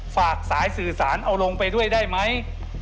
ฝากสายสื่อสารเอาลงไปด้วยได้ไหม